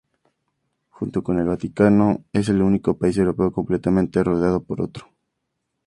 Junto con el Vaticano es el único país europeo completamente rodeado por otro.